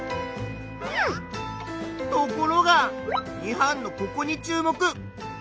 ところが２班のここに注目！